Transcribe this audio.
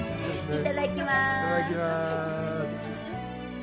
いただきます